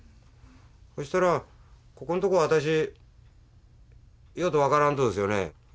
そしたらここんとこ私ようと分からんとですよね。